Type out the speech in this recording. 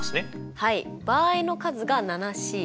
はい場合の数がＣ。